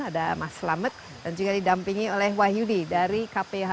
ada mas selamet dan juga didampingi oleh wahyudi dari kph